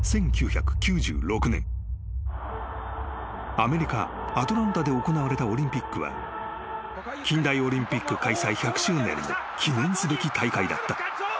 ［アメリカアトランタで行われたオリンピックは近代オリンピック開催１００周年の記念すべき大会だった］